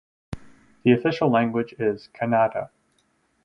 The official language is Kannada.